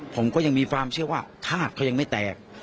ผมก็ยังมีความเชื่อว่าธาตุเขายังไม่แตก